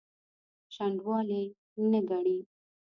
شنډوالي نه ګڼي.